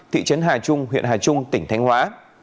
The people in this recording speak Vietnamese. thị trấn hà trung huyện hà trung tỉnh thanh hóa